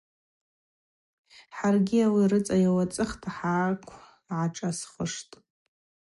Хӏаргьи ауи рыцӏа йауацӏыхта хӏаквгӏашӏасуаштӏ.